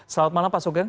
selamat malam pak sugeng